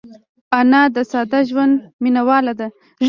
انا د ساده ژوند مینهواله ده